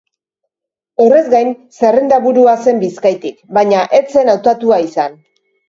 Horrez gain, zerrendaburua zen Bizkaitik baina ez zen hautatua izan.